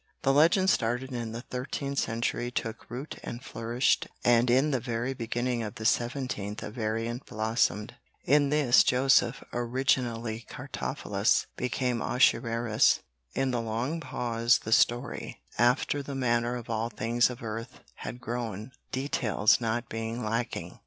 The legend started in the thirteenth century, took root and flourished, and in the very beginning of the seventeenth a variant blossomed. In this Joseph, originally Cartaphilus, became Ahasuerus. In the long pause the story, after the manner of all things of earth, had grown, details not being lacking.